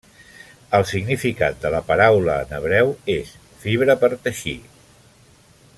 El significat de la paraula en hebreu és fibra per teixir.